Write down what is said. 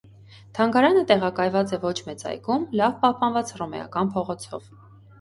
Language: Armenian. Թանգարանը տեղակայված է ոչ մեծ այգում՝ լավ պահպանված հռոմեական փողոցով։